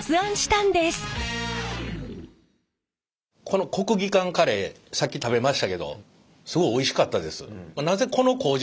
この国技館カレーさっき食べましたけどすごいおいしかったです。